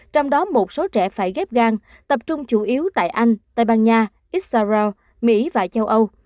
trong đó một số trẻ phải ghép gan tập trung chủ yếu tại anh tây ban nha issau mỹ và châu âu